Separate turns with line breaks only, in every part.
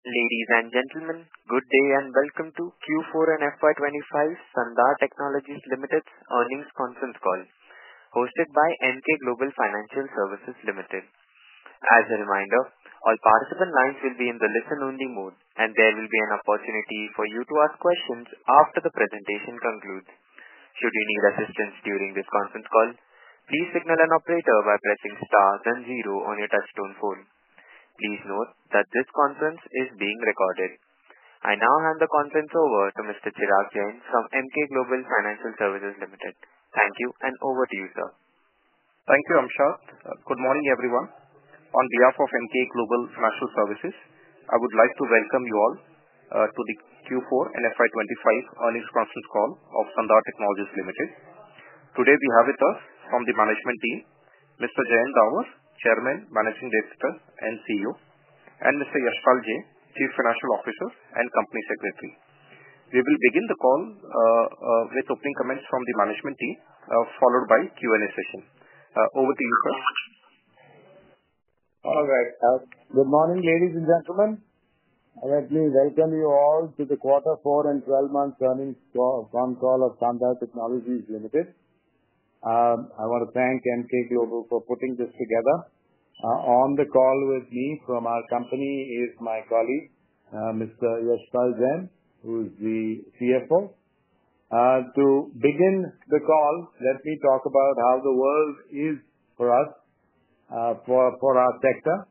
Ladies and gentlemen, good day and welcome to Q4 and FY25 Sandhar Technologies Ltd's earnings conference call, hosted by Emkay Global Financial Services Ltd. As a reminder, all participant lines will be in the listen-only mode, and there will be an opportunity for you to ask questions after the presentation concludes. Should you need assistance during this conference call, please signal an operator by pressing star then zero on your touchstone phone. Please note that this conference is being recorded. I now hand the conference over to Mr. Chirag Jain from Emkay Global Financial Services Ltd. Thank you, and over to you, sir.
Thank you, Amshad. Good morning, everyone. On behalf of Emkay Global Financial Services, I would like to welcome you all to the Q4 and FY25 earnings conference call of Sandhar Technologies Ltd. Today, we have with us from the management team, Mr. Jayant Davar, Chairman, Managing Director and CEO, and Mr. Yashpal Jain, Chief Financial Officer and Company Secretary. We will begin the call with opening comments from the management team, followed by a Q&A session. Over to you, sir.
All right. Good morning, ladies and gentlemen. Let me welcome you all to the Q4 and 12-month earnings conference call of Sandhar Technologies Ltd. I want to thank Emkay Global for putting this together. On the call with me from our company is my colleague, Mr. Yashpal Jain, who is the CFO. To begin the call, let me talk about how the world is for us, for our sector.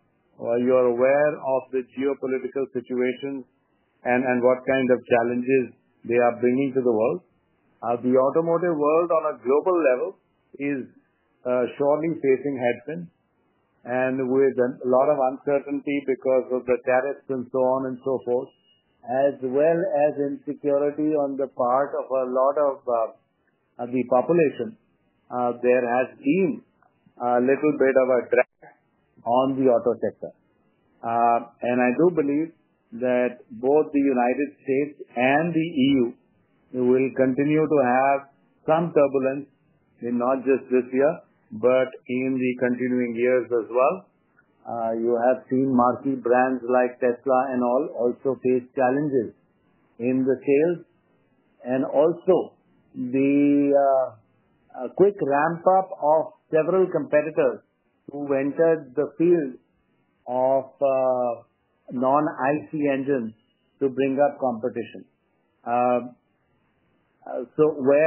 You are aware of the geopolitical situation and what kind of challenges they are bringing to the world. The automotive world, on a global level, is surely facing headwinds and with a lot of uncertainty because of the tariffs and so on and so forth, as well as insecurity on the part of a lot of the population. There has been a little bit of a drag on the auto sector. I do believe that both the United States and the EU will continue to have some turbulence, not just this year, but in the continuing years as well. You have seen marquee brands like Tesla and all also face challenges in the sales. Also, the quick ramp-up of several competitors who entered the field of non-IC engines to bring up competition. Where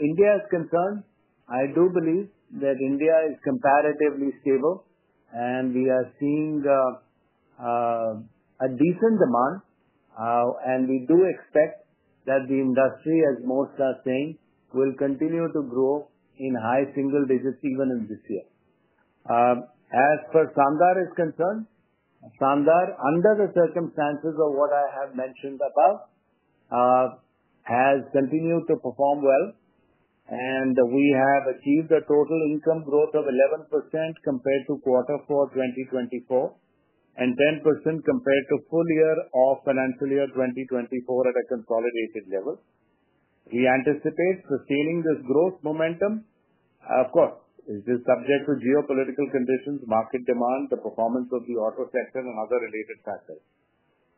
India is concerned, I do believe that India is comparatively stable, and we are seeing a decent demand. We do expect that the industry, as most are saying, will continue to grow in high single digits even in this year. As for Sandhar is concerned, Sandhar, under the circumstances of what I have mentioned above, has continued to perform well. We have achieved a total income growth of 11% compared to Q4 2024 and 10% compared to the full year of financial year 2024 at a consolidated level. We anticipate sustaining this growth momentum. Of course, this is subject to geopolitical conditions, market demand, the performance of the auto sector, and other related factors.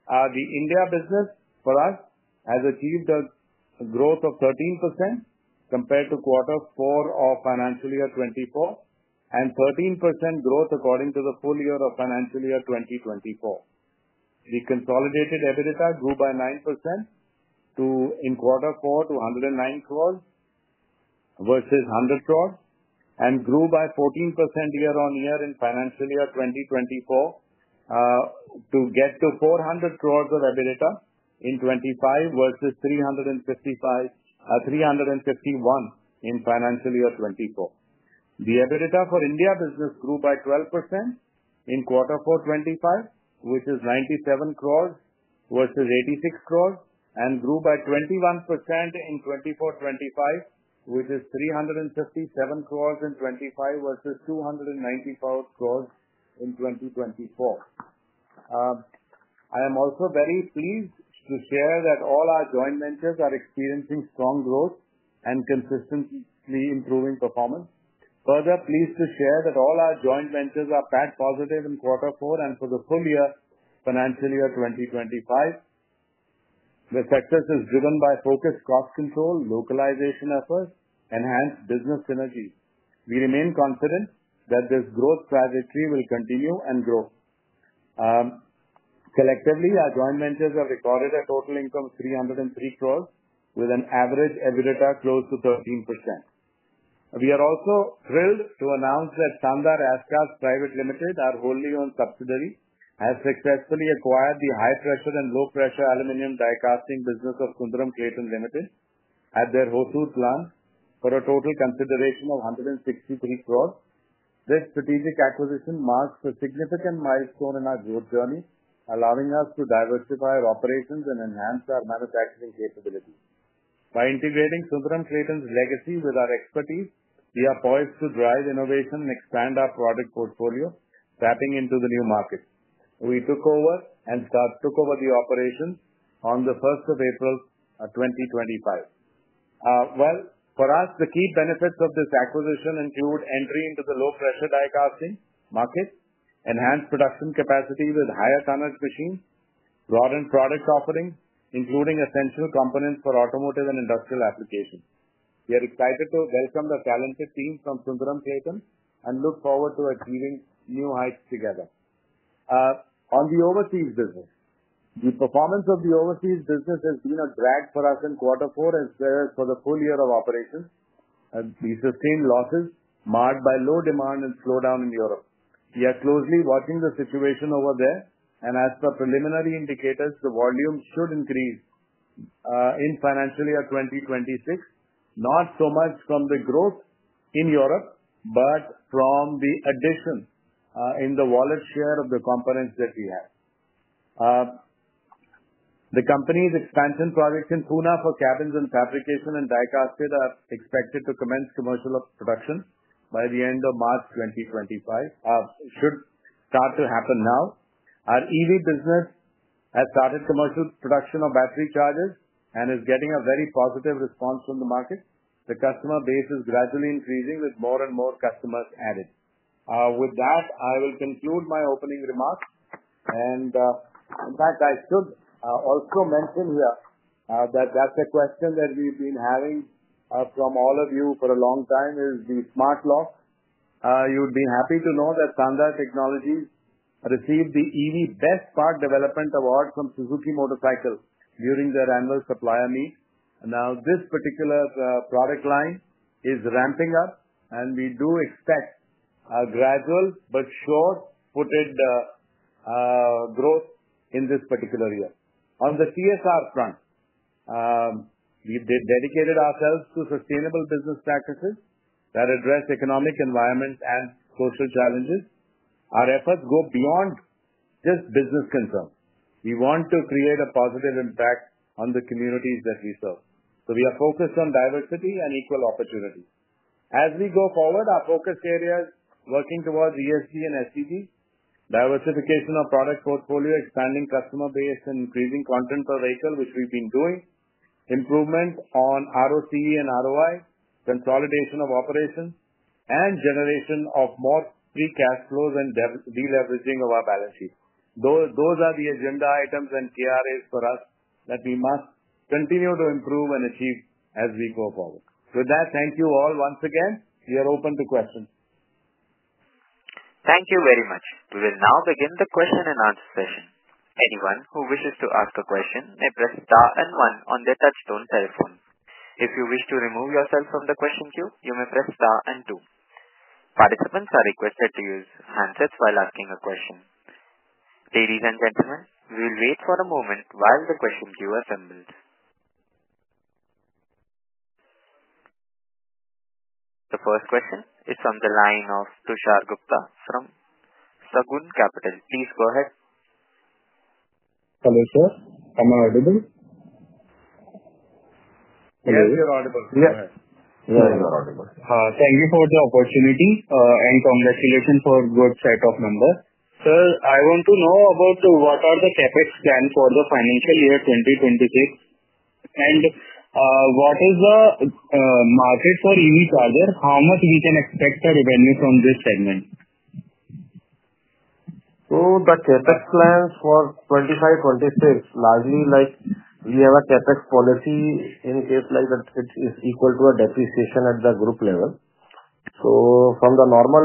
The India business for us has achieved a growth of 13% compared to Q4 of financial year 2024 and 13% growth according to the full year of financial year 2024. The consolidated EBITDA grew by 9% in Q4 to 109 crores versus 100 crores, and grew by 14% year on year in financial year 2024 to get to 400 crores of EBITDA in 2025 versus 351 crores in financial year 2024. The EBITDA for India business grew by 12% in Q4 2025, which is 97 crores versus 86 crores, and grew by 21% in 2024-2025, which is 357 crores in 2025 versus 294 crores in 2024. I am also very pleased to share that all our joint ventures are experiencing strong growth and consistently improving performance. Further, pleased to share that all our joint ventures are PAT positive in Q4 and for the full year financial year 2025. The success is driven by focused cost control, localization efforts, and enhanced business synergy. We remain confident that this growth trajectory will continue and grow. Collectively, our joint ventures have recorded a total income of 303 crores, with an average EBITDA close to 13%. We are also thrilled to announce that Sandhar Ashcraft Private Ltd, our wholly-owned subsidiary, has successfully acquired the high-pressure and low-pressure aluminum die-casting business of Sundaram Clayton Ltd at their Hosur plant for a total consideration of 163 crores. This strategic acquisition marks a significant milestone in our growth journey, allowing us to diversify our operations and enhance our manufacturing capabilities. By integrating Sundaram Clayton's legacy with our expertise, we are poised to drive innovation and expand our product portfolio, tapping into the new markets. We took over and took over the operations on the 1st of April 2025. For us, the key benefits of this acquisition include entry into the low-pressure die-casting market, enhanced production capacity with higher tonnage machines, broadened product offering, including essential components for automotive and industrial applications. We are excited to welcome the talented team from Sundaram Clayton and look forward to achieving new heights together. On the overseas business, the performance of the overseas business has been a drag for us in Q4 as well as for the full year of operations. We sustained losses marked by low demand and slowdown in Europe. We are closely watching the situation over there. As per preliminary indicators, the volume should increase in financial year 2026, not so much from the growth in Europe, but from the addition in the wallet share of the components that we have. The company's expansion project in Pune for cabins and fabrication and die-casted are expected to commence commercial production by the end of March 2025. Should start to happen now. Our EV business has started commercial production of battery chargers and is getting a very positive response from the market. The customer base is gradually increasing with more and more customers added. With that, I will conclude my opening remarks. In fact, I should also mention here that that is a question that we have been having from all of you for a long time, is the smart lock. You would be happy to know that Sandhar Technologies received the EV Best Part Development Award from Suzuki Motorcycle during their annual supplier meet. Now, this particular product line is ramping up, and we do expect a gradual, but sure-footed growth in this particular year. On the CSR front, we dedicated ourselves to sustainable business practices that address economic, environmental, and social challenges. Our efforts go beyond just business concerns. We want to create a positive impact on the communities that we serve. We are focused on diversity and equal opportunity. As we go forward, our focus areas are working towards ESG and SEG, diversification of product portfolio, expanding customer base, and increasing content per vehicle, which we've been doing, improvement on ROCE and ROI, consolidation of operations, and generation of more free cash flows and deleveraging of our balance sheet. Those are the agenda items and KRAs for us that we must continue to improve and achieve as we go forward. With that, thank you all once again. We are open to questions.
Thank you very much. We will now begin the question and answer session. Anyone who wishes to ask a question may press star and one on their touchstone telephone. If you wish to remove yourself from the question queue, you may press star and two. Participants are requested to use handsets while asking a question. Ladies and gentlemen, we will wait for a moment while the question queue assembles. The first question is from the line of Tushar Gupta from Sagun Capital. Please go ahead.
Hello, sir. Am I audible?
Yes, you're audible. Yes.
Thank you for the opportunity and congratulations for a good set of numbers. Sir, I want to know about what are the CapEx plans for the financial year 2026? What is the market for EV chargers? How much can we expect a revenue from this segment?
The CapEx plans for 2025-2026, largely like we have a CapEx policy in case like that it is equal to depreciation at the group level. From the normal,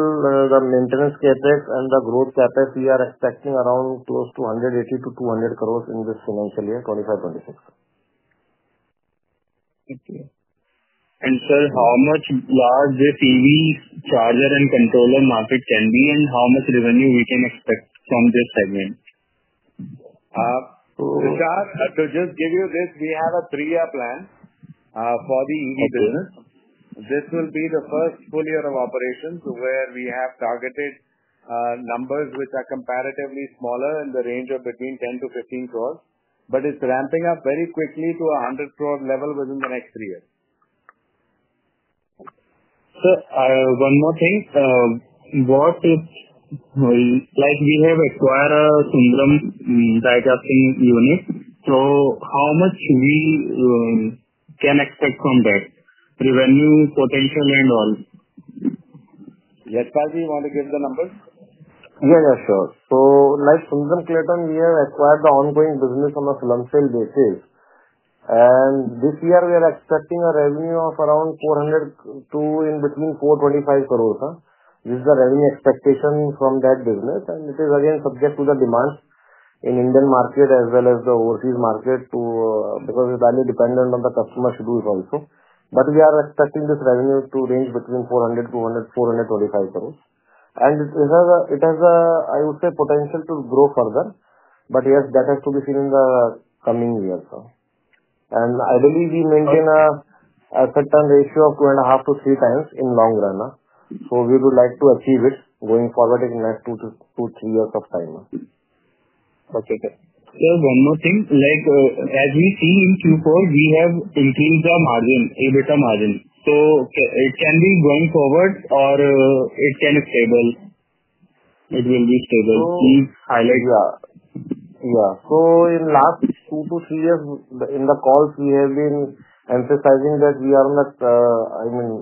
the maintenance CapEx and the growth CapEx, we are expecting around close to 180-200 crore in this financial year 2025-2026.
Sir, how much large this EV charger and controller market can be and how much revenue we can expect from this segment?
Tushar, to just give you this, we have a three-year plan for the EV business. This will be the first full year of operations where we have targeted numbers which are comparatively smaller in the range of 10-15 crore, but it's ramping up very quickly to an 100 crore level within the next three years.
Sir, one more thing. We have acquired a Sundaram die-casting unit. So how much we can expect from that? Revenue, potential, and all.
Yashpal, do you want to give the numbers?
Yeah, yeah, sure. Sundaram Clayton, we have acquired the ongoing business on a slump sale basis. This year, we are expecting a revenue of around 400 crore to 425 crore, which is the revenue expectation from that business. It is again subject to the demand in the Indian market as well as the overseas market because it is highly dependent on the customer's shoulders also. We are expecting this revenue to range between 400 crore-425 crore. It has, I would say, potential to grow further. Yes, that has to be seen in the coming years. Ideally, we maintain a return ratio of two and a half to three times in the long run. We would like to achieve it going forward in the next two to three years of time.
Okay. Sir, one more thing. As we see in Q4, we have increased our margin, EBITDA margin. So it can be going forward or it can be stable. It will be stable. Please highlight.
Yeah. In the last two to three years in the calls, we have been emphasizing that we are on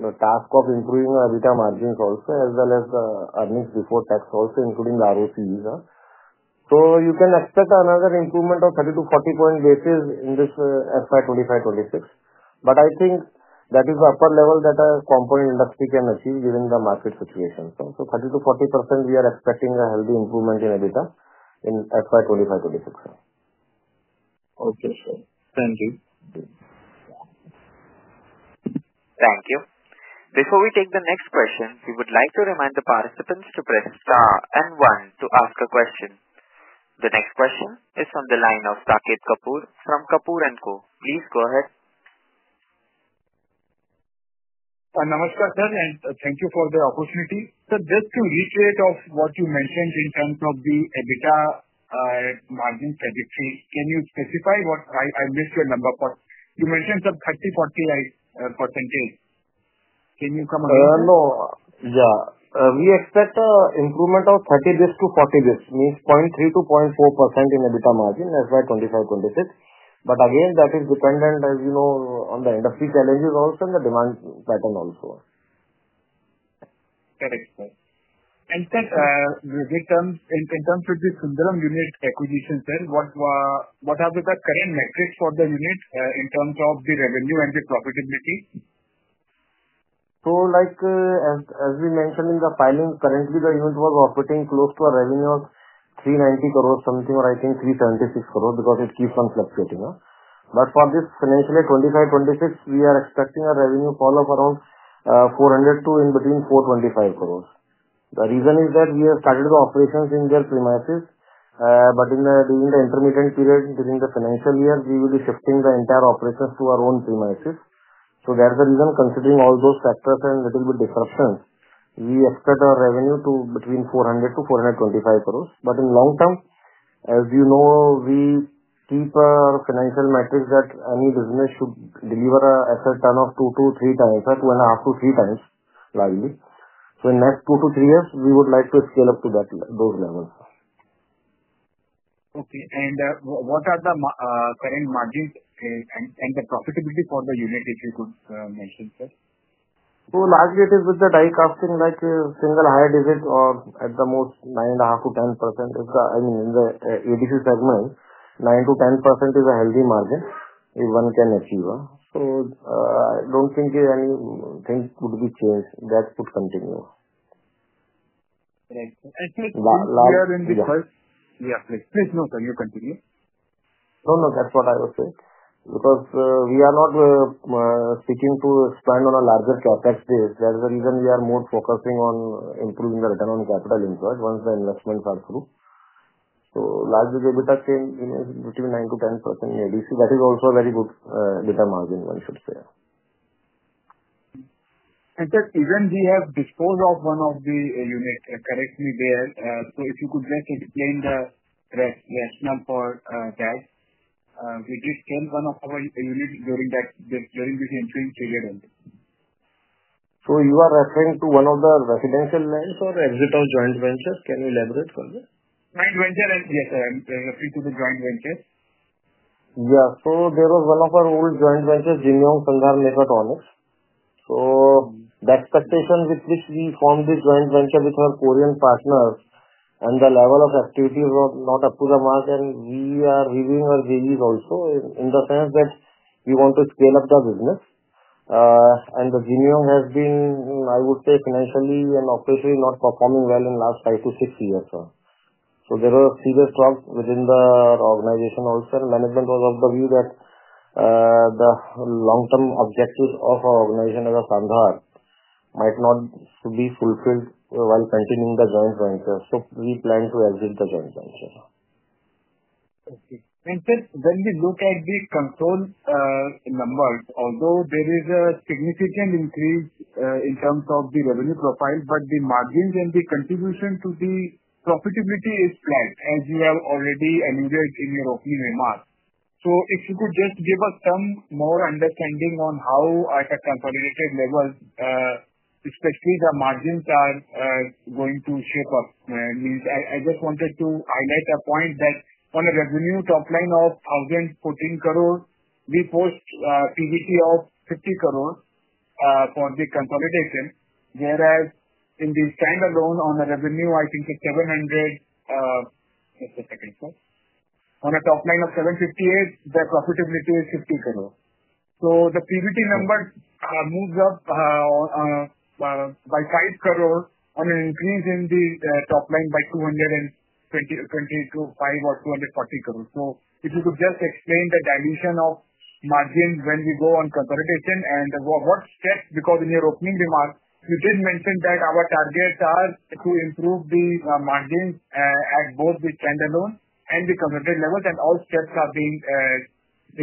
the task of improving our EBITDA margins also as well as the earnings before tax also, including the ROCEs. You can expect another improvement of 30-40 basis points in this FY 2025-2026. I think that is the upper level that a component industry can achieve given the market situation. 30-40%, we are expecting a healthy improvement in EBITDA in FY 2025-2026.
Okay, sir. Thank you.
Thank you. Before we take the next question, we would like to remind the participants to press star and one to ask a question. The next question is from the line of Sakeet Kapoor from Kapoor & Co. Please go ahead.
Namaskar, sir, and thank you for the opportunity. Sir, just to recreate what you mentioned in terms of the EBITDA margin trajectory, can you specify what I missed your number? You mentioned some 30, 40%. Can you come on?
No, yeah. We expect an improvement of 30 basis points to 40 basis points, means 0.3% to 0.4% in EBITDA margin FY 2025-2026. Again, that is dependent, as you know, on the industry challenges also and the demand pattern also.
Correct. Sir, in terms of the Sundaram unit acquisition, sir, what are the current metrics for the unit in terms of the revenue and the profitability?
As we mentioned in the filing, currently the unit was operating close to a revenue of 390 crore something or I think 376 crore because it keeps on fluctuating. For this financial year 2025-2026, we are expecting a revenue fall of around 400 crore to in between 425 crore. The reason is that we have started the operations in their premises. During the intermittent period during the financial year, we will be shifting the entire operations to our own premises. That is the reason. Considering all those factors and a little bit of disruption, we expect our revenue to be between 400 crore-425 crore. In the long term, as you know, we keep our financial metrics that any business should deliver an asset turn of two to three times, two and a half to three times largely. In the next two to three years, we would like to scale up to those levels.
Okay. What are the current margins and the profitability for the unit, if you could mention, sir?
Largely, it is with the die-casting, like single higher digit or at the most 9.5% to 10%. I mean, in the ADC segment, 9% to 10% is a healthy margin if one can achieve. I do not think anything would be changed. That could continue.
Correct. Sir, in this point.
Yeah, please.
Please, no, sir, you continue.
No, no, that's what I was saying. Because we are not seeking to expand on a larger CapEx base. That's the reason we are more focusing on improving the return on capital invoice once the investments are through. So largely, the EBITDA came between 9-10% in ADC. That is also a very good EBITDA margin, one should say.
Sir, even we have disposed of one of the units. Correct me there. If you could just explain the rationale for that, which is sell one of our units during this entering period only.
You are referring to one of the residential lands or exit of joint ventures? Can you elaborate further?
Joint venture, yes, sir. I'm referring to the joint ventures.
Yeah. There was one of our old joint ventures, Jinyoung Electro-Mechanics. The expectation with which we formed this joint venture with our Korean partners and the level of activity was not up to the mark. We are reviewing our JVs also in the sense that we want to scale up the business. Jinyoung has been, I would say, financially and operationally not performing well in the last five to six years. There were serious troubles within the organization also. Management was of the view that the long-term objectives of our organization as Sandhar might not be fulfilled while continuing the joint venture. We plan to exit the joint venture.
Sir, when we look at the control numbers, although there is a significant increase in terms of the revenue profile, the margins and the contribution to the profitability is flat, as you have already alluded in your opening remarks. If you could just give us some more understanding on how, at a consolidated level, especially the margins are going to shape up. I just wanted to highlight a point that on a revenue top line of 1,014 crores, we post PVT of 50 crores for the consolidation. Whereas in the standalone on a revenue, I think it is 700. Just a second, sir. On a top line of 758, the profitability is 50 crores. The PVT number moves up by 5 crores on an increase in the top line by 225-240 crores. If you could just explain the dilution of margins when we go on consolidation and what steps, because in your opening remarks, you did mention that our targets are to improve the margins at both the standalone and the consolidated levels. All steps are being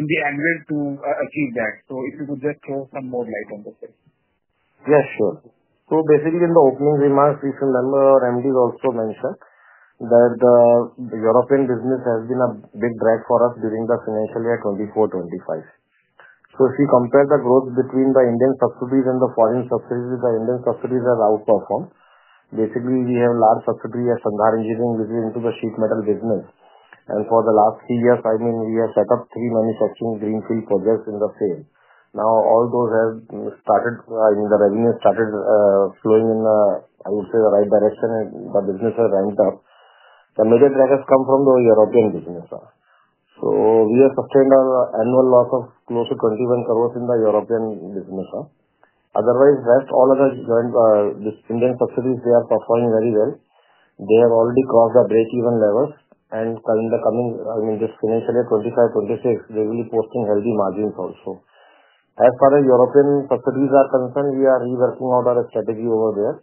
in the angle to achieve that. If you could just throw some more light on the question.
Yes, sure. So basically, in the opening remarks, we remember our MDs also mentioned that the European business has been a big drag for us during the financial year 2024-2025. If we compare the growth between the Indian subsidiaries and the foreign subsidiaries, the Indian subsidiaries have outperformed. Basically, we have a large subsidiary at Sandhar Engineering, which is into the sheet metal business. For the last three years, I mean, we have set up three manufacturing greenfield projects in the same. Now, all those have started, I mean, the revenue has started flowing in, I would say, the right direction, and the business has ramped up. The major drag has come from the European business. We have sustained our annual loss of close to 21 crore in the European business. Otherwise, the rest, all other Indian subsidiaries, they are performing very well. They have already crossed the break-even levels. In the coming, I mean, this financial year 2025-2026, they will be posting healthy margins also. As far as European subsidies are concerned, we are reworking out our strategy over there.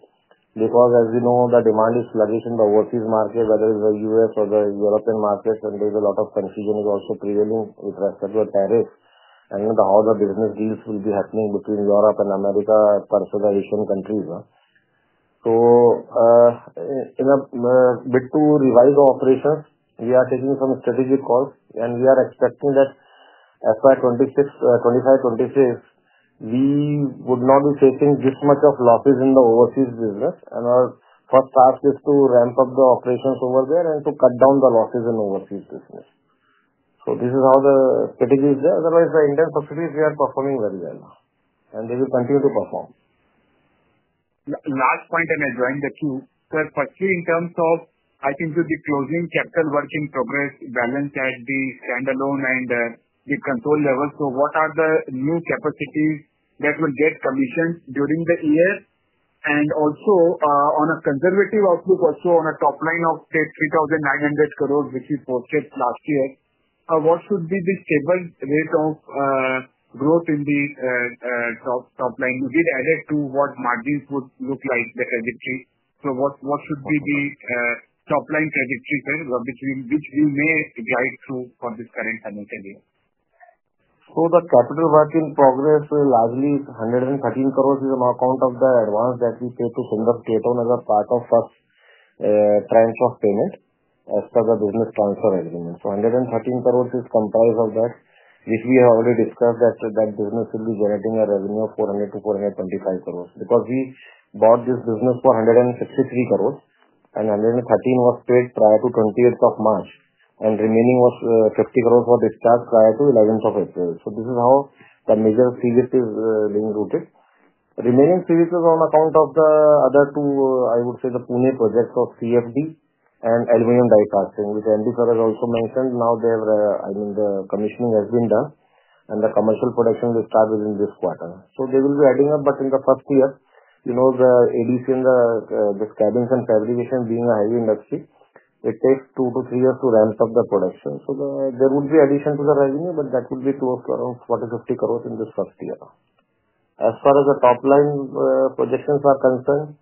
Because as we know, the demand is fluctuating in the overseas market, whether it's the U.S. or the European markets. There is a lot of confusion also prevailing with respect to the tariffs and how the business deals will be happening between Europe and America versus the Asian countries. In a bit to revise our operations, we are taking some strategic calls. We are expecting that FY 2025-2026, we would not be facing this much of losses in the overseas business. Our first task is to ramp up the operations over there and to cut down the losses in overseas business. This is how the strategy is there. Otherwise, the Indian subsidiaries, we are performing very well. They will continue to perform.
Last point, and I'll join the queue. Sir, firstly, in terms of, I think, with the closing capital working progress balance at the standalone and the control level, what are the new capacities that will get commissioned during the year? Also, on a conservative outlook, also on a top line of, say, 3,900 crores, which we posted last year, what should be the stable rate of growth in the top line? You did add it to what margins would look like, the trajectory. What should be the top line trajectory, sir, which we may guide through for this current financial year?
The capital working progress largely is 113 crores, which is an amount of the advance that we pay to Sundaram Clayton as a part of first tranche of payment as per the business transfer agreement. 113 crores is comprised of that, which we have already discussed that that business will be generating a revenue of 400-425 crores. Because we bought this business for 163 crores, and 113 crores was paid prior to 28th of March. The remaining was 50 crores, which were discharged prior to 11th of April. This is how the major CWIP is being routed. The remaining CWIP is on account of the other two, I would say, the Pune projects of CFD and aluminum die casting, which MD Sara has also mentioned. Now, I mean, the commissioning has been done. The commercial production will start within this quarter. They will be adding up. In the first year, you know the ADC and the cabins and fabrication being a heavy industry, it takes two to three years to ramp up the production. There would be addition to the revenue, but that would be close to around 40-50 crores in this first year. As far as the top line projections are concerned,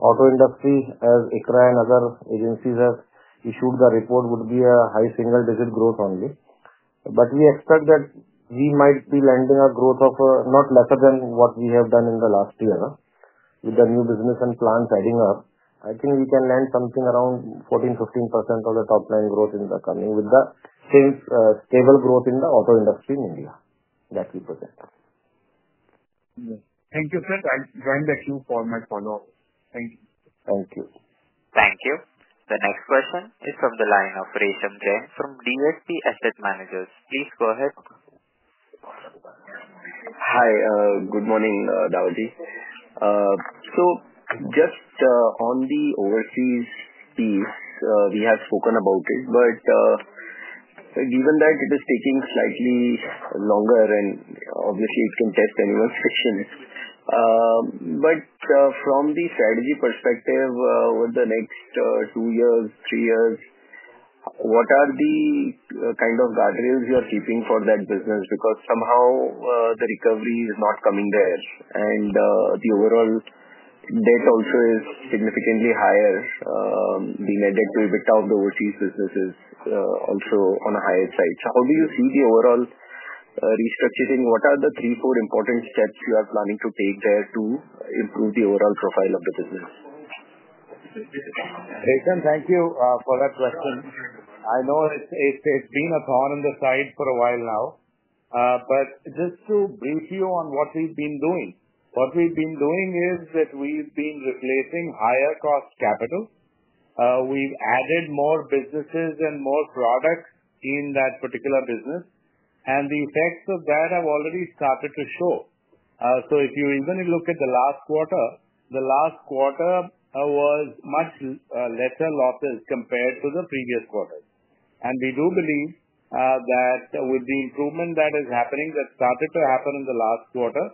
auto industry, as ICRA and other agencies have issued the report, would be a high single-digit growth only. We expect that we might be landing a growth of not lesser than what we have done in the last year. With the new business and plans adding up, I think we can land something around 14-15% of the top line growth in the coming with the same stable growth in the auto industry in India that we project.
Thank you, sir. I'll join the queue for my follow-up. Thank you.
Thank you.
Thank you. The next question is from the line of Resham Jain from DSP Asset Managers. Please go ahead.
Hi. Good morning, Daudi. Just on the overseas piece, we have spoken about it. Given that it is taking slightly longer, and obviously, it can test anyone's patience. From the strategy perspective, over the next two years, three years, what are the kind of guardrails you are keeping for that business? Somehow the recovery is not coming there. The overall debt also is significantly higher, being added to a bit of the overseas businesses also on a higher side. How do you see the overall restructuring? What are the three, four important steps you are planning to take there to improve the overall profile of the business?
Reshan, thank you for that question. I know it's been a thorn in the side for a while now. Just to brief you on what we've been doing, what we've been doing is that we've been replacing higher-cost capital. We've added more businesses and more products in that particular business. The effects of that have already started to show. If you even look at the last quarter, the last quarter was much lesser losses compared to the previous quarter. We do believe that with the improvement that is happening that started to happen in the last quarter,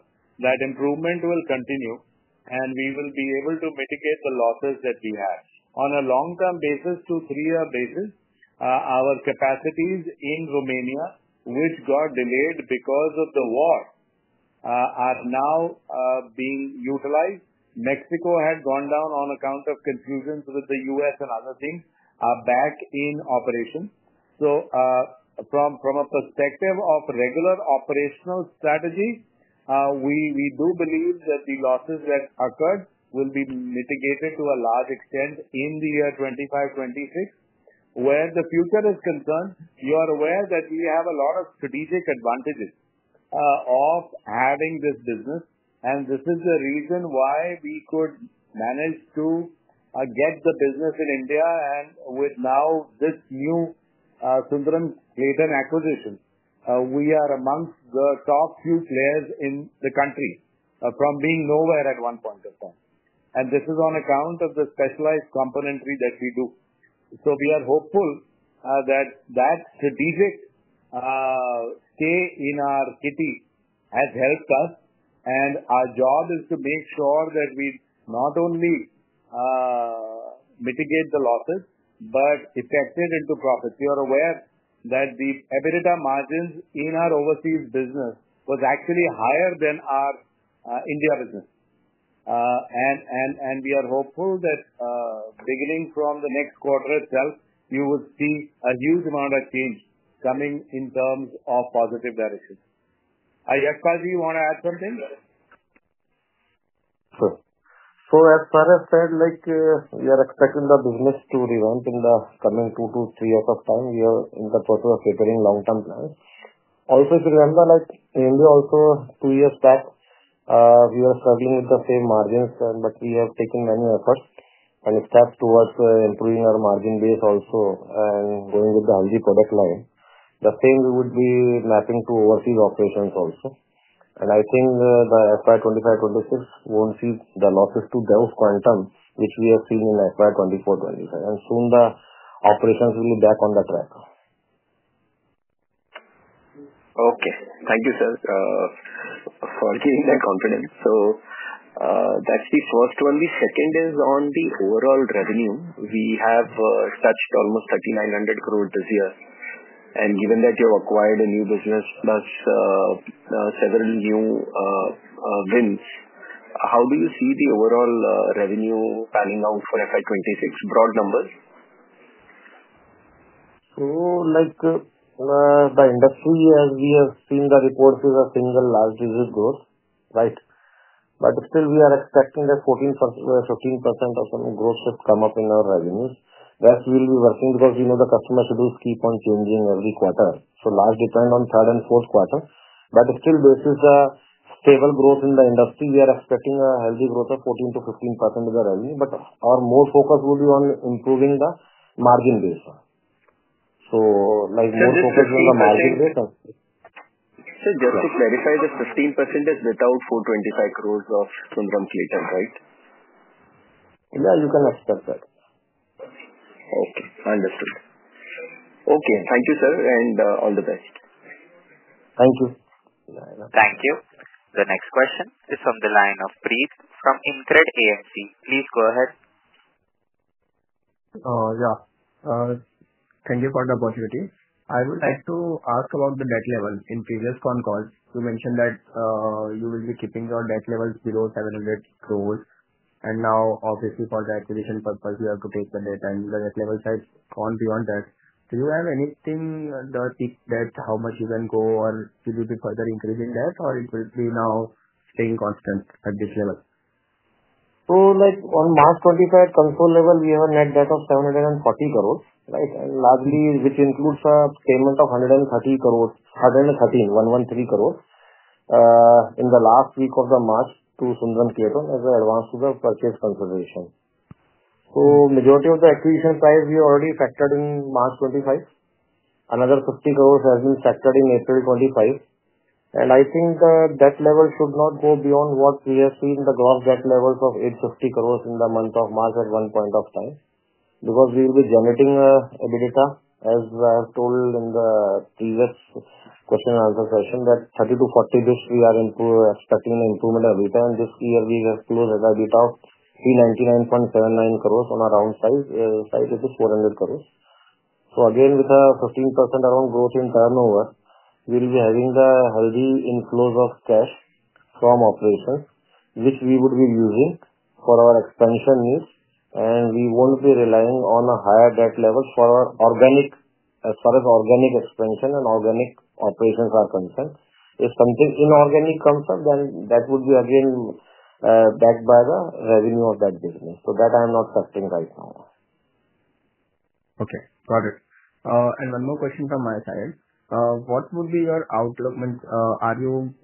that improvement will continue. We will be able to mitigate the losses that we had. On a long-term basis, two- to three-year basis, our capacities in Romania, which got delayed because of the war, are now being utilized. Mexico had gone down on account of confusions with the U.S. and other things, are back in operation. From a perspective of regular operational strategy, we do believe that the losses that occurred will be mitigated to a large extent in the year 2025-2026. Where the future is concerned, you are aware that we have a lot of strategic advantages of having this business. This is the reason why we could manage to get the business in India. With now this new Sundaram Clayton acquisition, we are amongst the top few players in the country from being nowhere at one point of time. This is on account of the specialized componentry that we do. We are hopeful that that strategic stay in our city has helped us. Our job is to make sure that we not only mitigate the losses, but effect it into profits. You are aware that the EBITDA margins in our overseas business was actually higher than our India business. We are hopeful that beginning from the next quarter itself, you will see a huge amount of change coming in terms of positive direction. Yashpal, do you want to add something?
Sure. As far as said, we are expecting the business to revamp in the coming two to three years of time. We are in the process of preparing long-term plans. Also, if you remember, in India, also two years back, we were struggling with the same margins. We have taken many efforts and steps towards improving our margin base also and going with the LG product line. The same would be mapping to overseas operations also. I think the FY 2025-2026 won't see the losses to the quantum which we have seen in FY 2024-2025. Soon, the operations will be back on the track.
Okay. Thank you, sir, for giving that confidence. That is the first one. The second is on the overall revenue. We have touched almost 3,900 crore this year. Given that you have acquired a new business plus several new wins, how do you see the overall revenue panning out for FY 2026? Broad numbers.
The industry, as we have seen the reports, is a single large digit growth, right? Still, we are expecting that 14%-15% of some growth should come up in our revenues. That we will be working because we know the customer schedules keep on changing every quarter. Large depend on third and fourth quarter. Still, based on the stable growth in the industry, we are expecting a healthy growth of 14%-15% of the revenue. Our more focus will be on improving the margin base. More focus on the margin base.
Sir, just to clarify, the 15% is without 425 crores of Sundaram Clayton, right?
Yeah, you can expect that.
Okay. Understood. Okay. Thank you, sir. All the best.
Thank you.
Thank you. The next question is from the line of Preet from Incred AMC. Please go ahead.
Yeah. Thank you for the opportunity. I would like to ask about the debt level. In previous phone calls, you mentioned that you will be keeping your debt levels below 700 crores. Now, obviously, for the acquisition purpose, you have to take the debt. The debt level has gone beyond that. Do you have anything that how much you can go or will you be further increasing that, or it will be now staying constant at this level?
On March 25, console level, we have a net debt of 740 crores, right? Largely, which includes a payment of 113 crores in the last week of March to Sundaram Clayton as an advance to the purchase consideration. Majority of the acquisition price we already factored in March 2025. Another 50 crores has been factored in April 2025. I think the debt level should not go beyond what we have seen, the gross debt levels of 850 crores in the month of March at one point of time. Because we will be generating EBITDA, as I have told in the previous question and answer session, that 30-40 basis points we are expecting an improvement every time. This year, we have closed at EBITDA of INR 399.79 crores on a round size. Size it is INR 400 crores. Again, with a 15% around growth in turnover, we will be having the healthy inflows of cash from operations, which we would be using for our expansion needs. We will not be relying on a higher debt level for our organic, as far as organic expansion and organic operations are concerned. If something inorganic comes up, then that would be again backed by the revenue of that business. That I am not factoring right now.
Okay. Got it. One more question from my side. What would be your outlook? What do you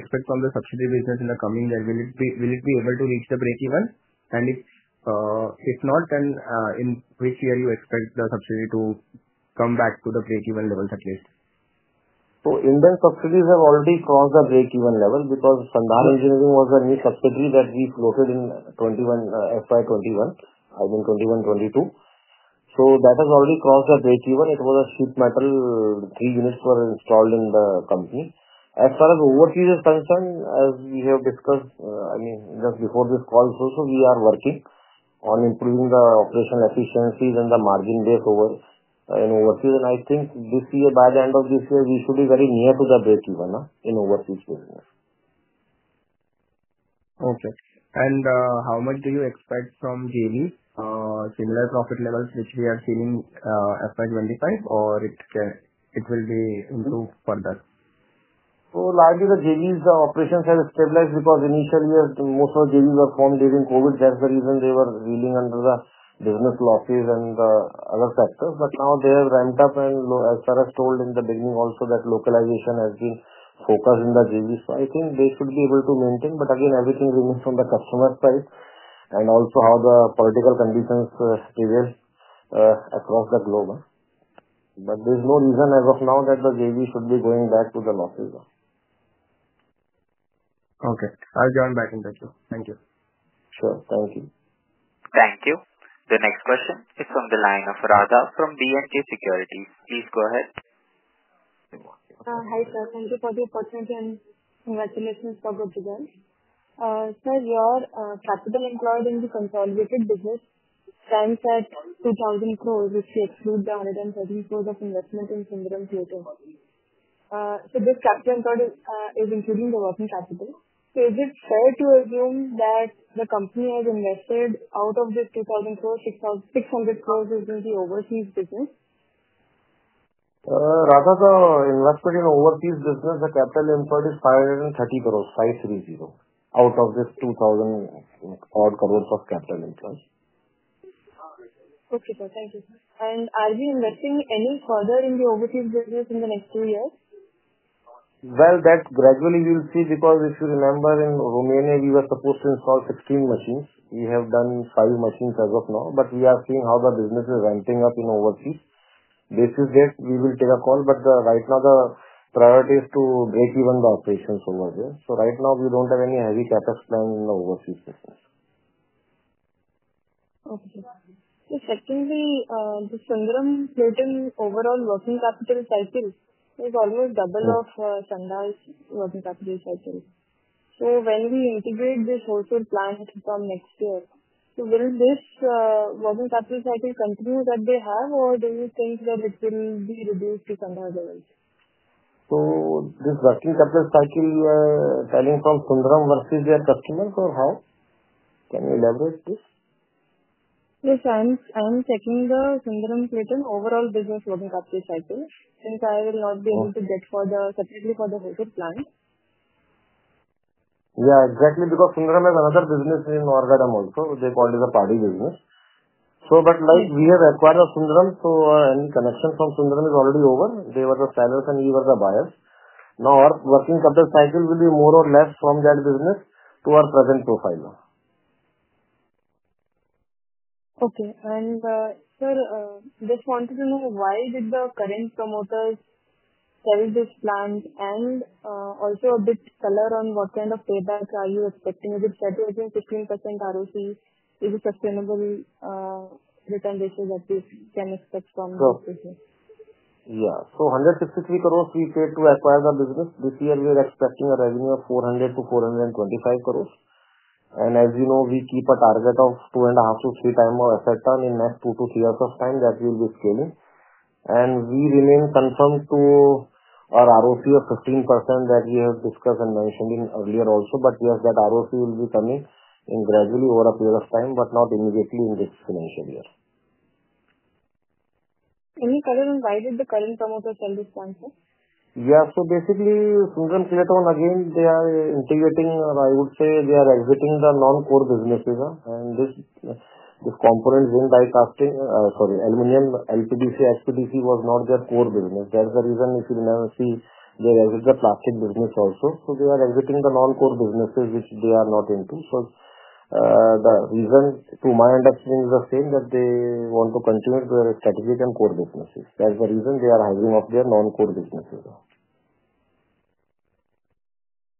expect from the subsidy business in the coming year? Will it be able to reach the break-even? If not, then in which year do you expect the subsidy to come back to the break-even level at least?
Indian subsidiaries have already crossed the break-even level because Sandhar Engineering was a new subsidiary that we floated in FY 2021, I mean, 2021-2022. That has already crossed the break-even. It was a sheet metal, three units were installed in the company. As far as overseas is concerned, as we have discussed, I mean, just before this call also, we are working on improving the operational efficiencies and the margin base over in overseas. I think this year, by the end of this year, we should be very near to the break-even in overseas business.
Okay. How much do you expect from JV, similar profit levels which we are seeing FY 2025, or it will be improved further?
Largely, the JVs, the operations have stabilized because initially, most of the JVs were formed during COVID. That's the reason they were reeling under the business losses and the other factors. Now they have ramped up, and as far as told in the beginning also, localization has been focused in the JVs. I think they should be able to maintain. Again, everything remains on the customer side and also how the political conditions prevail across the globe. There's no reason as of now that the JVs should be going back to the losses.
Okay. I'll join back in the queue. Thank you.
Sure. Thank you.
Thank you. The next question is from the line of Raghav from B&K Securities. Please go ahead.
Hi, sir. Thank you for the opportunity and congratulations for good results. Sir, your capital employed in the consolidated business stands at 2,000 crores if we exclude the 113 crores of investment in Sundaram Clayton. So this capital employed is including the working capital. Is it fair to assume that the company has invested out of this 2,000 crores, 600 crores is in the overseas business?
Raghav, investment in overseas business, the capital employed is INR 530 crore, 530, out of this INR 2,000 crore of capital employed.
Okay, sir. Thank you. Are you investing any further in the overseas business in the next two years?
That gradually we'll see because if you remember, in Romania, we were supposed to install 16 machines. We have done five machines as of now. We are seeing how the business is ramping up in overseas. Based on that, we will take a call. Right now, the priority is to break even the operations over here. Right now, we do not have any heavy CapEx plan in the overseas business.
Okay. Secondly, the Sundaram Clayton overall working capital cycle is almost double of Sandhar's working capital cycle. When we integrate this wholesale plant from next year, will this working capital cycle continue that they have, or do you think that it will be reduced to Sandhar's level?
This working capital cycle, you are telling from Sundaram versus their customers, or how? Can you elaborate this?
Yes. I'm checking the Sundaram Clayton overall business working capital cycle since I will not be able to get separately for the Hosur plant.
Yeah, exactly. Because Sundaram has another business in Oragadam also. They call it the Padi business. We have acquired Sundaram, so any connection from Sundaram is already over. They were the sellers, and we were the buyers. Now, our working capital cycle will be more or less from that business to our present profile.
Okay. Sir, just wanted to know why did the current promoters sell this plant and also a bit color on what kind of payback are you expecting? Is it set within 15% ROCE? Is it sustainable return ratios that we can expect from this business?
Yeah. So 163 crores we paid to acquire the business. This year, we are expecting a revenue of 400-425 crores. And as you know, we keep a target of two and a half to three times our effort done in the next two to three years of time that we will be scaling. We remain confirmed to our ROCE of 15% that we have discussed and mentioned earlier also. That ROCE will be coming gradually over a period of time, but not immediately in this financial year.
Any color on why did the current promoter sell this plant?
Yeah. So basically, Sundaram Clayton, again, they are integrating, or I would say they are exiting the non-core businesses. And this component went by casting, sorry, aluminum, LPDC, SPDC was not their core business. That's the reason if you never see they exit the plastic business also. They are exiting the non-core businesses, which they are not into. The reason to my understanding is the same that they want to continue their strategic and core businesses. That's the reason they are hiring off their non-core businesses.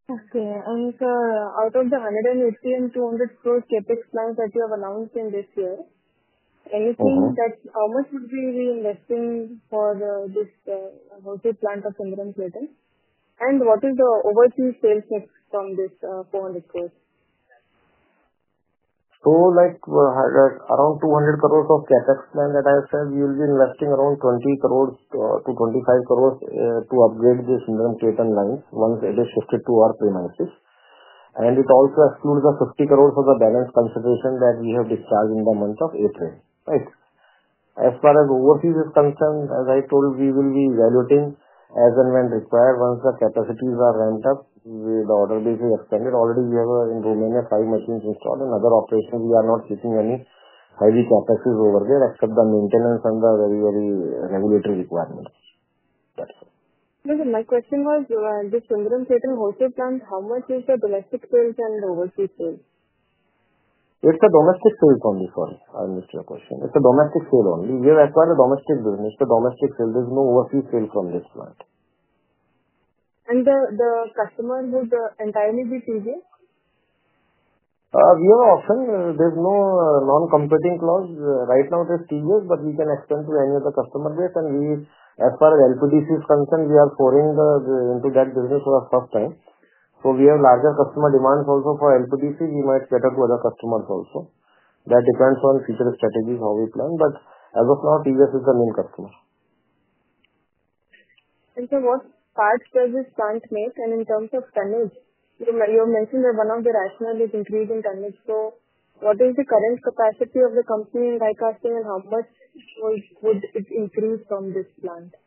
Okay. Sir, out of the 113 crore and 200 crore CapEx plans that you have announced in this year, how much would be reinvesting for this wholesale plant of Sundaram Clayton? What is the overseas sales mix from this 400 crore?
Around 200 crores of CapEx plan that I said, we will be investing around 20 crores-25 crores to upgrade the Sundaram Clayton lines once it is shifted to our premises. It also excludes the 50 crores for the balance consideration that we have discharged in the month of April, right? As far as overseas is concerned, as I told, we will be evaluating as and when required once the capacities are ramped up with the order basically expanded. Already, we have in Romania five machines installed. In other operations, we are not seeking any heavy CapExes over there except the maintenance and the very, very regulatory requirements. That is all.
My question was, this Sundaram Clayton Hosur plant, how much is the domestic sales and the overseas sales?
It's a domestic sales only, sorry. I missed your question. It's a domestic sale only. We have acquired a domestic business, the domestic sale. There's no overseas sale from this plant.
The customer would entirely be TGS?
We have an option. There is no non-competing clause. Right now, it is TGS, but we can extend to any other customer base. As far as LPDC is concerned, we are foraying into that business for the first time. We have larger customer demands also for LPDC. We might get out to other customers also. That depends on future strategies, how we plan. As of now, TGS is the main customer.
Sir, what part does this plant make? In terms of tonnage, you have mentioned that one of the rationales is increasing tonnage. What is the current capacity of the company in die-casting, and how much would it increase from this plant?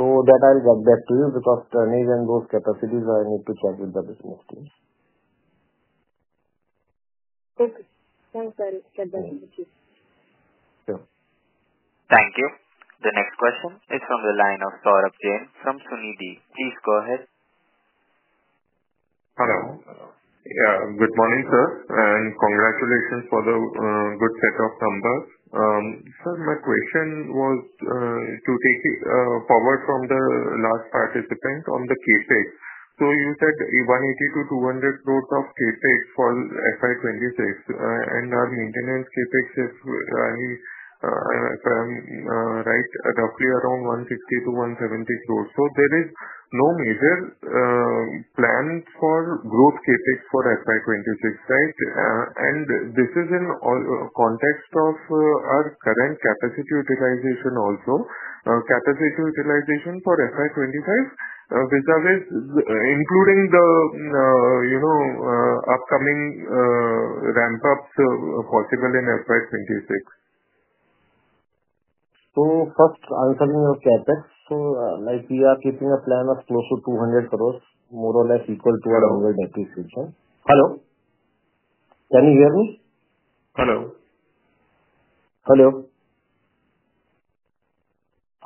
I'll get back to you because tonnage and those capacities I need to check with the business team.
Okay. Thanks, sir. Get back to you.
Sure.
Thank you. The next question is from the line of Saurabh Jain from Sunidhi. Please go ahead.
Hello. Yeah. Good morning, sir. And congratulations for the good set of numbers. Sir, my question was to take it forward from the last participant on the CapEx. You said INR 180-200 crores of CapEx for FY 2026. Our maintenance CapEx, if I'm right, is roughly around 160-170 crores. There is no major plan for growth CapEx for FY 2026, right? This is in context of our current capacity utilization also, capacity utilization for FY 2025, which is including the upcoming ramp-ups possible in FY 2026.
First, I'm talking about CapEx. We are keeping a plan of close to 200 crores, more or less equal to our annual depreciation. Hello. Can you hear me?
Hello.
Hello.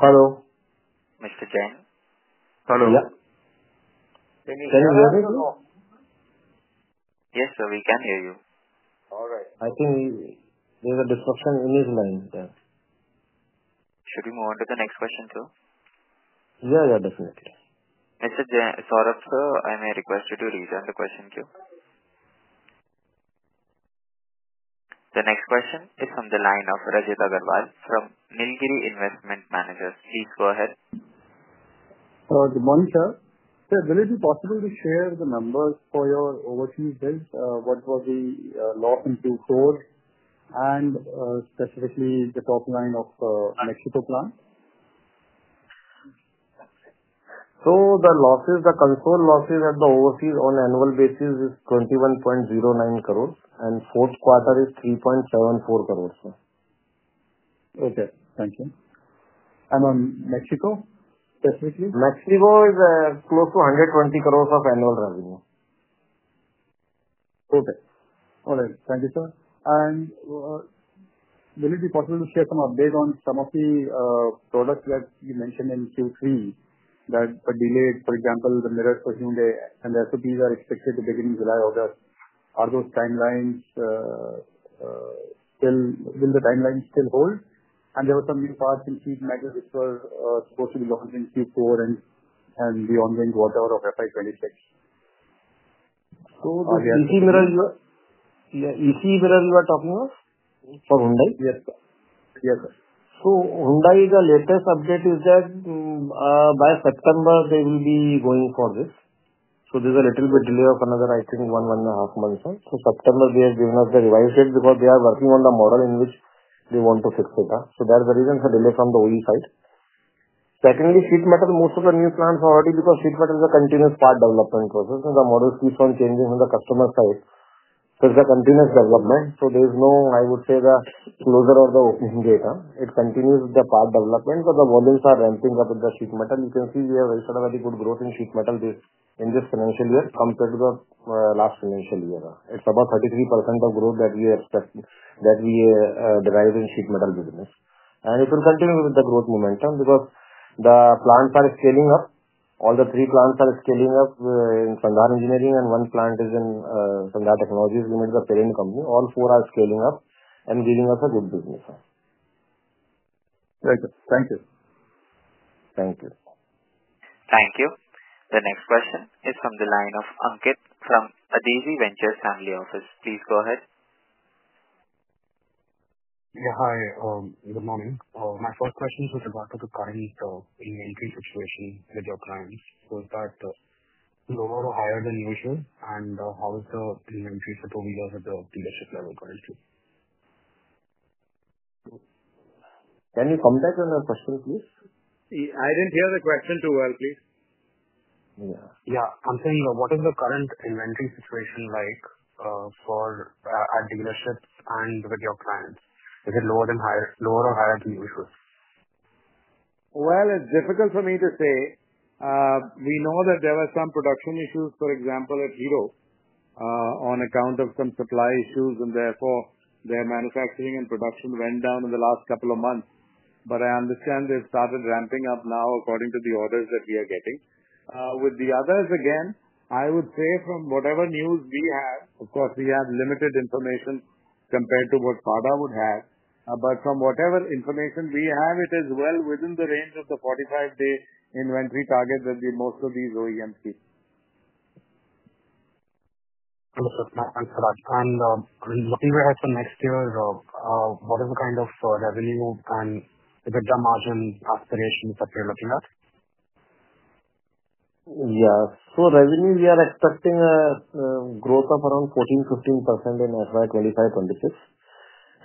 Hello.
Mr. Jain?
Hello.
Yeah. Can you hear me?
Yes, sir. We can hear you.
All right.
I think there's a disruption in his line there.
Should we move on to the next question too?
Yeah, yeah. Definitely.
Mr. Saurabh, sir, I may request you to return the question too? The next question is from the line of Rajit Aggarwal from Nilgiri Investment Managers. Please go ahead.
Good morning, sir. Sir, will it be possible to share the numbers for your overseas bills? What were the loss in two crores? Specifically, the top line of Mexico plant?
The losses, the consolidated losses at the overseas on annual basis is 21.09 crores. Fourth quarter is 3.74 crores, sir.
Okay. Thank you. On Mexico, specifically?
Mexico is close to 120 crores of annual revenue.
Okay. All right. Thank you, sir. Will it be possible to share some update on some of the products that you mentioned in Q3 that were delayed? For example, the mirrors for Hyundai and SUVs are expected to begin in July, August. Are those timelines still—will the timelines still hold? There were some new parts in seat matters which were supposed to be launched in Q4 and the ongoing quarter of FY 2026. The.
EC mirrors you are—yeah, EC mirrors you are talking of for Hyundai?
Yes, sir. Yes, sir.
Hyundai's latest update is that by September, they will be going for this. There is a little bit of a delay of another, I think, one, one and a half months. September, they have given us the revised date because they are working on the model in which they want to fix it. That is the reason for the delay from the OE side. Secondly, sheet metal, most of the new plants are already—because sheet metal is a continuous part development process. The model keeps on changing from the customer side. It is a continuous development. There is no, I would say, closure or opening date. It continues, the part development, because the volumes are ramping up with the sheet metal. You can see we have very good growth in sheet metal in this financial year compared to the last financial year. It's about 33% of growth that we expect that we derive in sheet metal business. It will continue with the growth momentum because the plants are scaling up. All the three plants are scaling up in Sandhar Engineering, and one plant is in Sandhar Technologies Ltd, the parent company. All four are scaling up and giving us a good business.
Great. Thank you.
Thank you.
Thank you. The next question is from the line of Ankit from Adizi Ventures Family Office. Please go ahead.
Yeah. Hi. Good morning. My first question is with regard to the current inventory situation with your clients. Was that lower or higher than usual? How is the inventory set over here at the dealership level currently?
Can you come back to the question, please? I didn't hear the question too well, please.
Yeah. I'm saying what is the current inventory situation like at dealerships and with your clients? Is it lower or higher than usual?
It's difficult for me to say. We know that there were some production issues, for example, at Hero on account of some supply issues. Therefore, their manufacturing and production went down in the last couple of months. I understand they've started ramping up now according to the orders that we are getting. With the others, again, I would say from whatever news we have, of course, we have limited information compared to what Sandhar would have. From whatever information we have, it is well within the range of the 45-day inventory target that most of these OEMs keep.
Understood. Looking ahead to next year, what is the kind of revenue and EBITDA margin aspirations that you're looking at?
Yeah. Revenue, we are expecting a growth of around 14%-15% in FY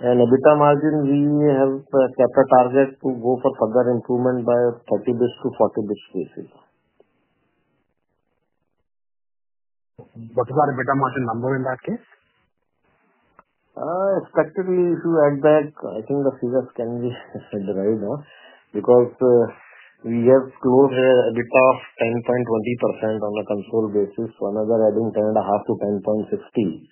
2025-2026. EBITDA margin, we have kept a target to go for further improvement by 30-40 basis points.
What is our EBITDA margin number in that case?
Expectedly, if you add back, I think the figures can be derived now because we have closed here EBITDA of 10.20% on a consolidated basis. So another adding 10.5-10.60%.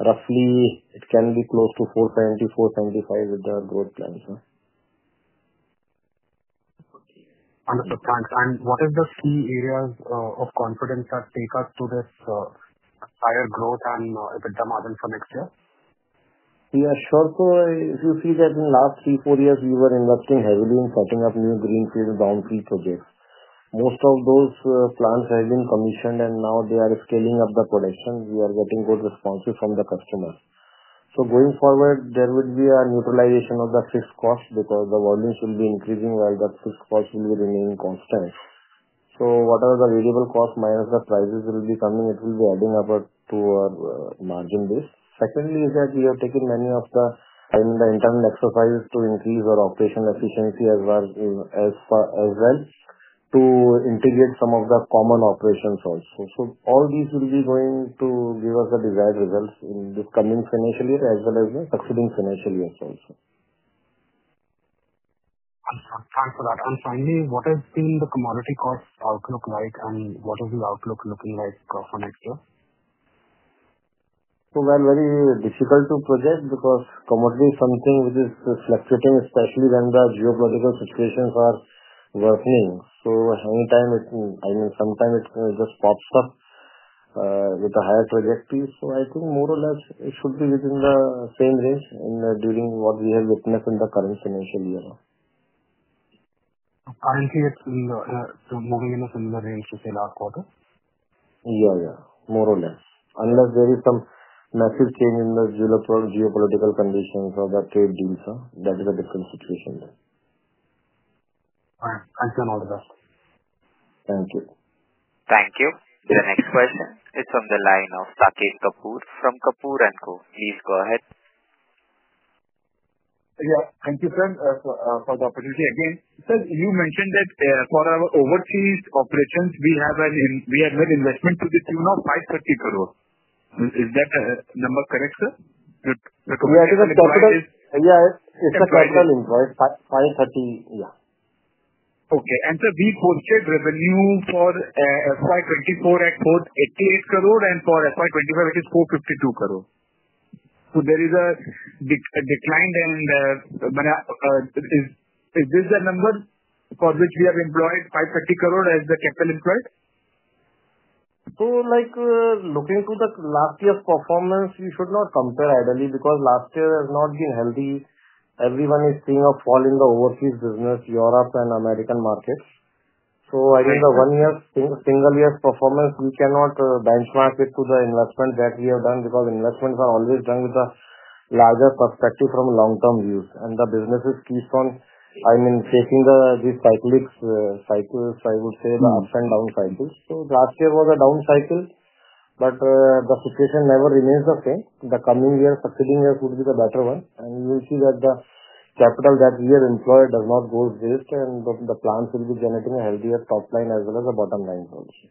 Roughly, it can be close to 470-475 with the growth plans.
Understood. Thanks. What are the key areas of confidence that take us to this higher growth and EBITDA margin for next year?
Yeah. Sure. If you see that in the last three, four years, we were investing heavily in setting up new greenfield and brownfield projects. Most of those plants have been commissioned, and now they are scaling up the production. We are getting good responses from the customers. Going forward, there would be a neutralization of the fixed cost because the volumes will be increasing while the fixed cost will be remaining constant. Whatever the variable cost minus the prices will be coming, it will be adding up to our margin base. Secondly, we have taken many of the time in the internal exercises to increase our operational efficiency as well to integrate some of the common operations also. All these will be going to give us the desired results in this coming financial year as well as the succeeding financial years also.
Understood. Thanks for that. Finally, what has been the commodity cost outlook like, and what is the outlook looking like for next year?
Very difficult to project because commodity is something which is fluctuating, especially when the geological situations are worsening. Anytime, I mean, sometime it just pops up with a higher trajectory. I think more or less it should be within the same range during what we have witnessed in the current financial year.
Currently, it's moving in a similar range to say last quarter.
Yeah, yeah. More or less. Unless there is some massive change in the geopolitical conditions or the trade deals, that is a different situation.
All right. Thanks very much, sir.
Thank you.
Thank you. The next question is from the line of Sakeet Kapoor from Kapoor & Co. Please go ahead.
Yeah. Thank you, sir, for the opportunity. Again, sir, you mentioned that for our overseas operations, we have made investment to the tune of 530 crore. Is that number correct, sir?
Yeah. It's a capital invoice. INR 530, yeah.
Okay. Sir, we posted revenue for FY 2024 at INR 488 crore, and for FY 2025, it is INR 452 crore. There is a decline, and is this the number for which we have employed 530 crore as the capital employed?
Looking to the last year's performance, we should not compare idly because last year has not been healthy. Everyone is seeing a fall in the overseas business, Europe and American markets. I think the one-year single year's performance, we cannot benchmark it to the investment that we have done because investments are always done with a larger perspective from long-term views. The business keeps on, I mean, taking these cyclics, cycles, I would say, the ups and down cycles. Last year was a down cycle, but the situation never remains the same. The coming year, succeeding year would be the better one. You will see that the capital that we have employed does not go waste, and the plants will be generating a healthier top line as well as a bottom line also.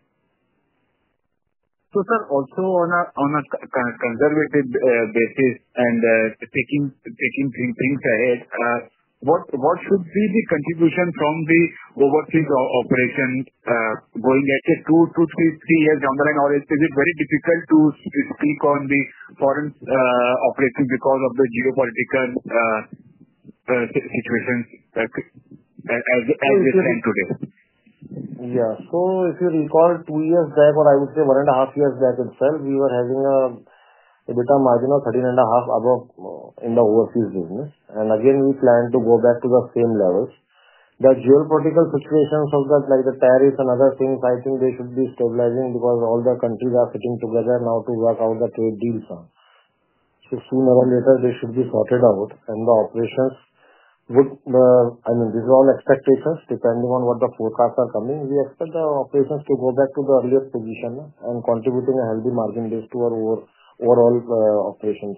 Sir, also on a conservative basis and taking things ahead, what should be the contribution from the overseas operations going at a two, two, three, three years down the line? Or is it very difficult to speak on the foreign operations because of the geopolitical situations as we stand today?
Yeah. If you recall two years back, or I would say one and a half years back itself, we were having an EBITDA margin of 13.5% above in the overseas business. Again, we plan to go back to the same levels. The geopolitical situations of the tariffs and other things, I think they should be stabilizing because all the countries are sitting together now to work out the trade deals. So sooner or later, they should be sorted out. The operations would, I mean, these are all expectations depending on what the forecasts are coming. We expect the operations to go back to the earlier position and contributing a healthy margin base to our overall operations.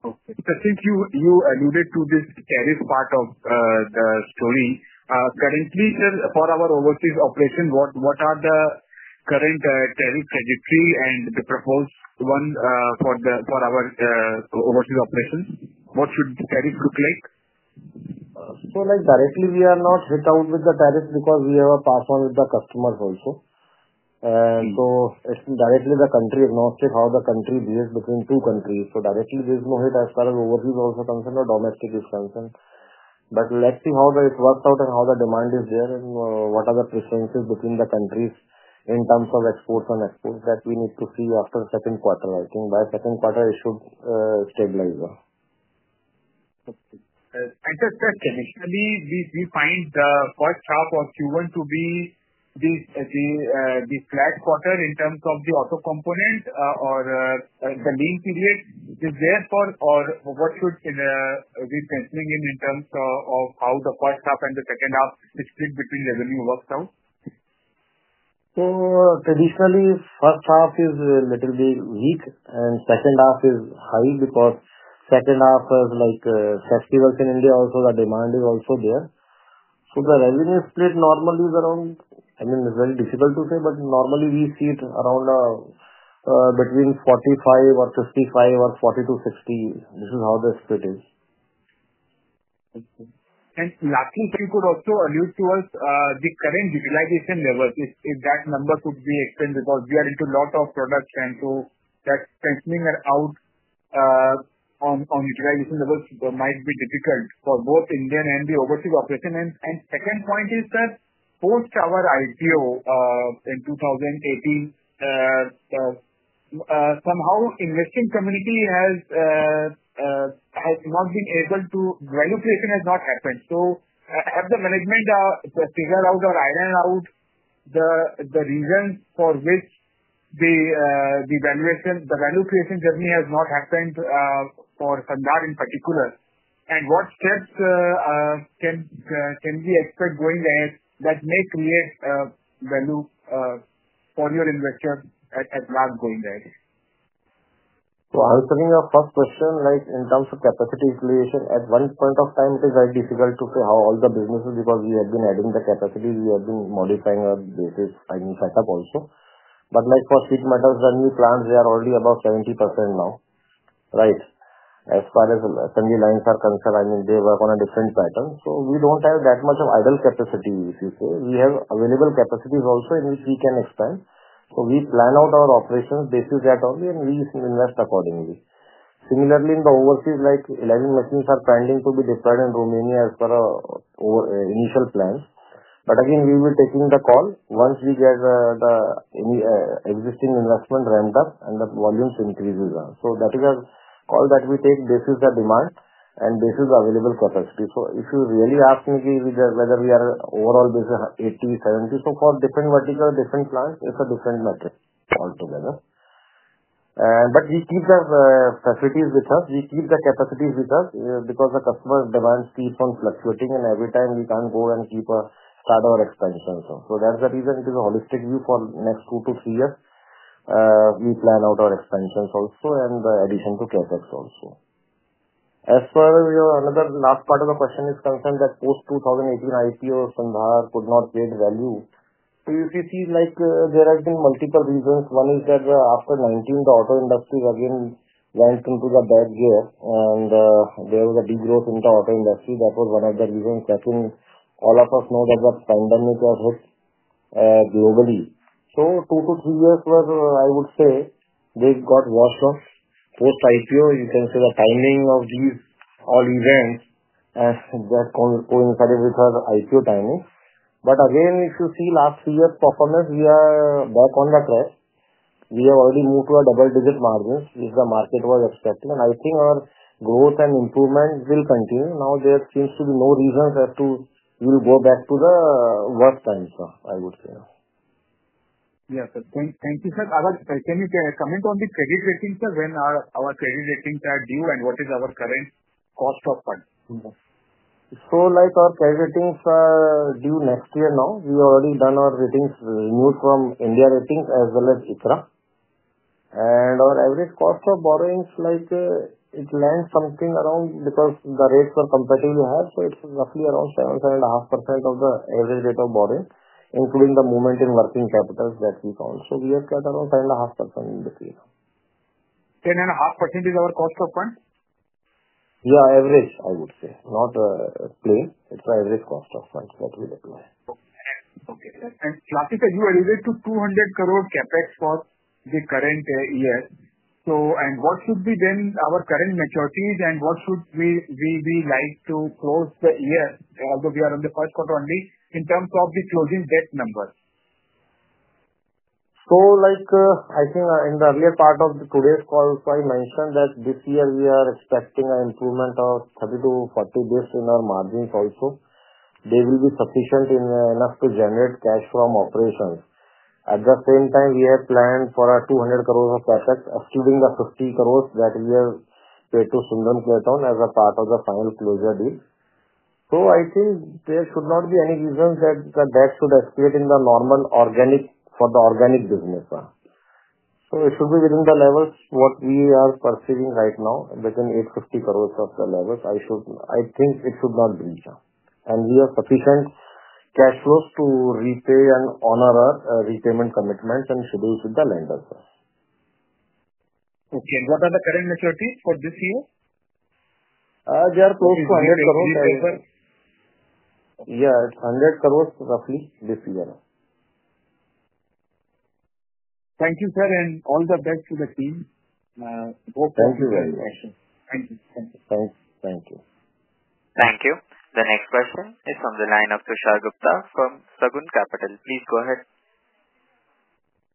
Okay. I think you alluded to this tariff part of the story. Currently, sir, for our overseas operation, what are the current tariff trajectory and the proposed one for our overseas operations? What should the tariff look like?
Directly, we are not hit out with the tariffs because we have a pass on with the customers also. Directly, the country is not how the country behaves between two countries. Directly, there is no hit as far as overseas also concerned or domestic is concerned. Let's see how it works out and how the demand is there and what are the preferences between the countries in terms of exports and exports that we need to see after the second quarter, I think. By second quarter, it should stabilize.
Okay. Just additionally, we find the first half of Q1 to be the flat quarter in terms of the auto component or the lean period. Is there for, or what should we be considering in terms of how the first half and the second half split between revenue works out?
Traditionally, first half is a little bit weak, and second half is high because second half has festivals in India also. The demand is also there. The revenue split normally is around, I mean, it's very difficult to say, but normally we see it around between 45-55 or 40-60. This is how the split is.
Lastly, you could also allude to us the current utilization levels. If that number could be explained because we are into a lot of products and so that's functioning out on utilization levels might be difficult for both Indian and the overseas operation. The second point is that post our IPO in 2018, somehow the investing community has not been able to value creation has not happened. Have the management figure out or iron out the reasons for which the value creation journey has not happened for Sandhar in particular. What steps can we expect going ahead that may create value for your investors at last going ahead?
Answering your first question, in terms of capacity utilization, at one point of time, it is very difficult to say how all the businesses because we have been adding the capacity. We have been modifying our basis, I mean, setup also. For sheet metals, the new plants are already above 70% now, right? As far as assembly lines are concerned, I mean, they work on a different pattern. We do not have that much of idle capacity, if you say. We have available capacities also in which we can expand. We plan out our operations based on that only, and we invest accordingly. Similarly, in the overseas, 11 machines are pending to be deployed in Romania as per initial plans. Again, we will be taking the call once we get the existing investment ramped up and the volumes increases. That is a call that we take based on the demand and based on the available capacity. If you really ask me whether we are overall based on 80, 70, for different vertical, different plants, it is a different matter altogether. We keep the facilities with us. We keep the capacities with us because the customer demand keeps on fluctuating, and every time we cannot go and start our expansions. That is the reason. It is a holistic view for the next two to three years. We plan out our expansions also and the addition to CapEx also. As per another last part of the question is concerned that post 2018 IPO, Sandhar could not create value. If you see, there have been multiple reasons. One is that after 2019, the auto industry again went into the bad gear, and there was a degrowth in the auto industry. That was one of the reasons. I think all of us know that the pandemic has hit globally. So two to three years were, I would say, they got washed off. Post IPO, you can see the timing of these all events that coincided with our IPO timing. If you see last three years' performance, we are back on the track. We have already moved to our double-digit margins which the market was expecting. I think our growth and improvement will continue. Now, there seems to be no reasons as to we will go back to the worst times, I would say.
Yes, sir. Thank you, sir. Can you comment on the credit ratings, sir? When are our credit ratings due and what is our current cost of funds?
Our credit ratings are due next year now. We have already done our ratings, renewed from India Rating as well as ICRA. Our average cost of borrowing is like it lands something around because the rates were comparatively higher. It is roughly around 7-7.5% of the average rate of borrowing, including the movement in working capital that we found. We have kept around 7.5% in between.
7.5% is our cost of funds.
Yeah, average, I would say. Not plain. It's our average cost of funds that we deploy.
Okay. Lastly, sir, you alluded to 200 crore CapEx for the current year. What should be then our current maturities, and what should we be like to close the year, although we are on the first quarter only, in terms of the closing debt numbers?
I think in the earlier part of today's call, I mentioned that this year we are expecting an improvement of 30-40 basis points in our margins also. They will be sufficient enough to generate cash from operations. At the same time, we have planned for 200 crore of CapEx, exceeding the 50 crore that we have paid to Sundaram Clayton as a part of the final closure deal. I think there should not be any reasons that the debt should escalate in the normal organic for the organic business. It should be within the levels what we are perceiving right now, within 850 crore of the levels. I think it should not breach. We have sufficient cash flows to repay and honor our repayment commitments and schedule with the lenders.
Okay. What are the current maturities for this year? They are close to 100 crore.
Yeah, it's INR 100 crore roughly this year.
Thank you, sir, and all the best to the team. Hope for the next question.
Thank you very much.
Thank you.
Thank you.
Thank you. The next question is from the line of Tushar Gupta from Sagun Capital. Please go ahead.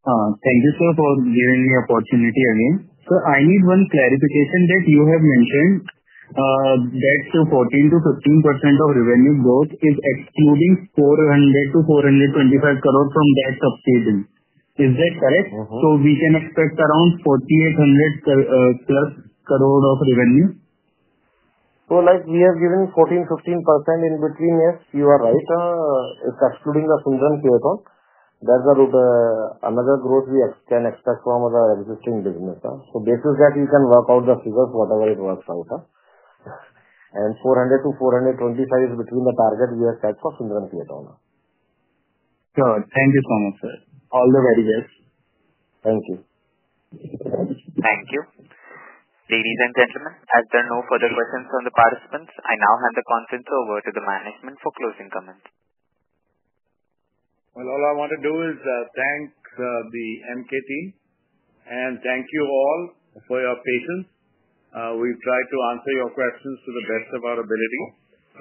Thank you, sir, for giving me the opportunity again. Sir, I need one clarification that you have mentioned that 14-15% of revenue growth is excluding 400-425 crore from that subsidy. Is that correct? So we can expect around 4,800 plus crore of revenue?
We have given 14-15% in between. Yes, you are right. It is excluding the Sundaram Clayton. That is another growth we can expect from the existing business. Basis that, we can work out the figures, whatever it works out. 400-425 is the target we have set for Sundaram Clayton.
Good. Thank you so much, sir. All the very best.
Thank you.
Thank you. Ladies and gentlemen, as there are no further questions from the participants, I now hand the comments over to the management for closing comments.
All I want to do is thank the Emkay team, and thank you all for your patience. We've tried to answer your questions to the best of our ability.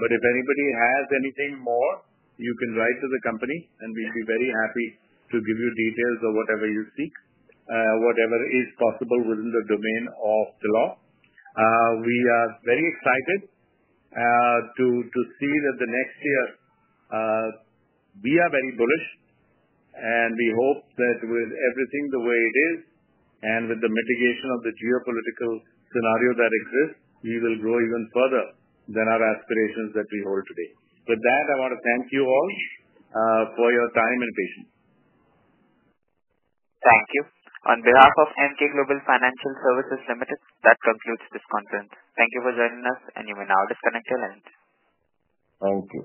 If anybody has anything more, you can write to the company, and we'd be very happy to give you details of whatever you seek, whatever is possible within the domain of the law. We are very excited to see that the next year we are very bullish, and we hope that with everything the way it is and with the mitigation of the geopolitical scenario that exists, we will grow even further than our aspirations that we hold today. With that, I want to thank you all for your time and patience.
Thank you. On behalf of Emkay Global Financial Services Ltd, that concludes this conference. Thank you for joining us, and you may now disconnect your lines.
Thank you.